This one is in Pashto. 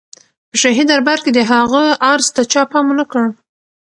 په شاهي دربار کې د هغه عرض ته چا پام ونه کړ.